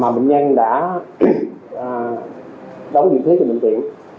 mà bệnh nhân đã đóng nhiệm phí cho bệnh viện